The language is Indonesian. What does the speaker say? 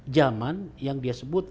zaman yang disebut